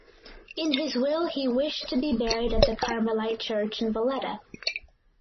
In his will he wished to be buried at the Carmelite church in Valletta.